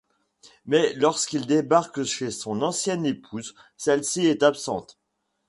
Mais lorsqu'il débarque chez son ancienne épouse, celle-ci est absente.